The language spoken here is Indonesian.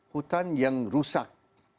hutan yang rusak